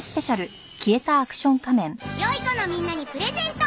よい子のみんなにプレゼント！